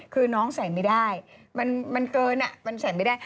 คือน้องใส่ไม่ได้มันเกินมันใส่ไม่ได้